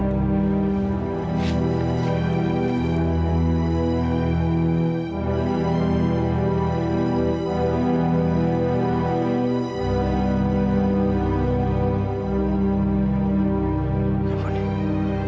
berapa kali kamu melihat saya